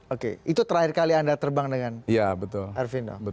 oke itu terakhir kali anda terbang dengan arvindo